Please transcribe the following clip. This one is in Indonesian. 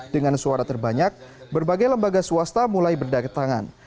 dengan suara terbanyak berbagai lembaga swasta mulai berdaga tangan